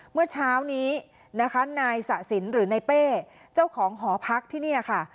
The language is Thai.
เมื่อเช้านี้นะคะนายสะสินหรือนายเป้เจ้าของหอพักที่นี่ค่ะ